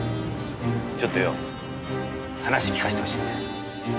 ちょっとよ話聞かせてほしいんだよ。